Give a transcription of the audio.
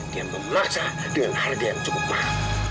dia memeluarsa dengan harga yang cukup mahal